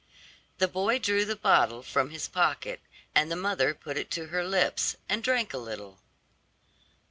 The boy drew the bottle from his pocket, and the mother put it to her lips, and drank a little.